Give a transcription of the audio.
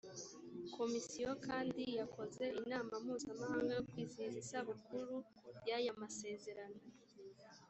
komisiyo kandi yakoze inama mpuzamahanga yo kwizihiza isabukuru ya y amasezerano